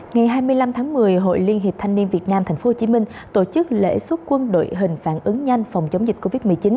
ngày hai mươi năm tháng một mươi hội liên hiệp thanh niên việt nam tp hcm tổ chức lễ xuất quân đội hình phản ứng nhanh phòng chống dịch covid một mươi chín